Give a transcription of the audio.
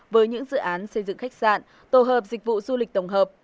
với những dự án xây dựng khách sạn tổ hợp dịch vụ du lịch tổng hợp